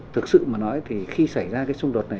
thực sự mà nói thì khi xảy ra cái xung đột này